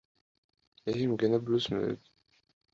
yahimbwe na Bruce Melody